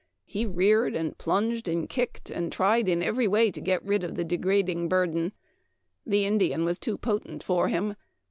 He reared, and plunged, and kicked, and tried in every way to get rid of the degrading burden. The Indian was too potent for him.